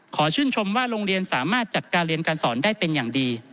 ชื่นชมว่าโรงเรียนสามารถจัดการเรียนการสอนได้เป็นอย่างดี